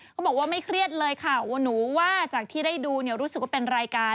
เขาบอกว่าไม่เครียดเลยค่ะว่าหนูว่าจากที่ได้ดูเนี่ยรู้สึกว่าเป็นรายการ